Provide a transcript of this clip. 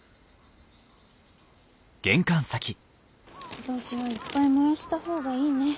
今年はいっぱい燃やした方がいいね。